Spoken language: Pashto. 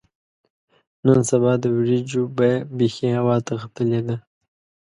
نن سبا د وریجو بیه بیخي هوا ته ختلې ده.